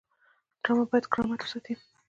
ډرامه باید کرامت وساتي